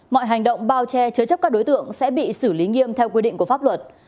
mọi hành động bao che chứa chấp các đối tượng sẽ bị xử lý nghiêm theo quy định của pháp luật